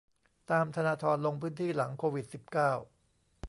ตามธนาธร ลงพื้นที่หลังโควิด สิบเก้า